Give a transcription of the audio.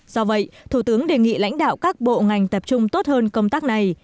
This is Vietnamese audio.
do vậy thủ tướng đề nghị lãnh đạo các bộ ngành tập trung tốt hơn công tác này